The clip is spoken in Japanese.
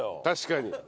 確かに。